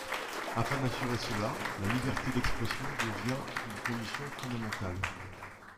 Afin d'assurer cela, la liberté d’expression devient une condition fondamentale.